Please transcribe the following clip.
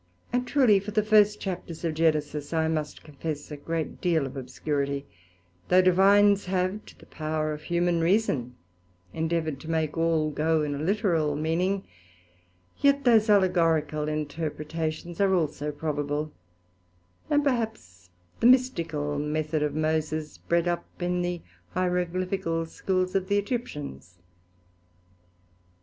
And truely for the first chapters of Genesis, I must confess a great deal of obscurity; though Divines have to the power of humane reason endeavoured to make all go in a literal meaning, yet those allegorical interpretations are also probable, and perhaps the mystical method of Moses bred up in the Hieroglyphical Schools of the Egyptians.